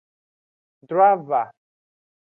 Drava.